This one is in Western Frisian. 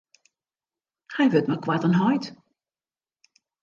Hy wurdt mei koarten heit.